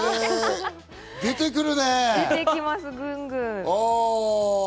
出てくるね！